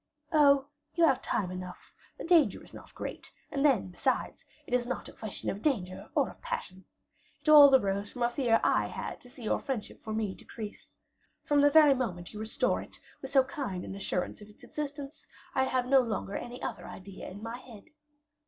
"Oh, you have time enough; the danger is not great; and then, besides, it is not a question of danger or of passion. It all arose from a fear I had to see your friendship for me decrease. From the very moment you restore it, with so kind an assurance of its existence, I have no longer any other idea in my head."